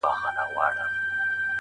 حمزه وايي وجود احساسیږي